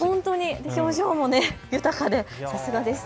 表情も豊かで、さすがです。